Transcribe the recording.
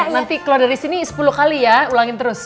nanti kalau dari sini sepuluh kali ya ulangin terus